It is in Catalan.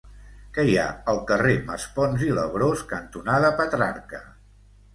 Què hi ha al carrer Maspons i Labrós cantonada Petrarca?